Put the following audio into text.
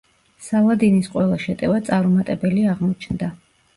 სალადინის ყველა შეტევა წარუმატებელი აღმოჩნდა.